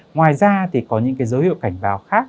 ngoài ra thì có những cái dấu hiệu cảnh báo khác